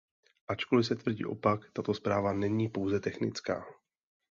Ačkoli se tvrdí opak, tato zpráva není pouze technická.